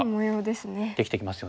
できてきますよね。